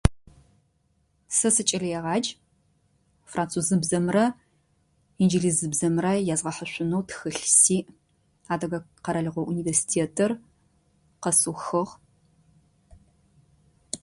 Сэ сыкӏэлэегъадж. Французыбзэмрэ инджылызыбзэмрэ язгъэхьышъунэу тхылъ сиӏ. Адыгэ къэралыгъо университетыр къэсыухыгъ.